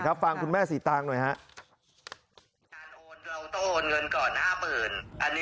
สรุปเลยก็คือเราต้องโอนเงินก่อน๕๐๐๐๐